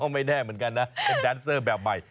ไม่แน่เหมือนกันนะเป็นแดนเซอร์แบบใหม่